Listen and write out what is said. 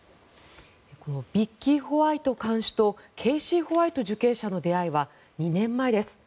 このビッキー・ホワイト看守とケイシー・ホワイト受刑者の出会いは２年前です。